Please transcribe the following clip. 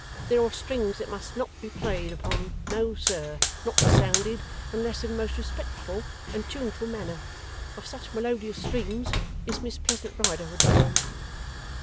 There are strings that must not be played upon. No sir! Not sounded, unless in the most respectful and tuneful manner. Of such melodious strings is Miss Pleasant Riderhood formed.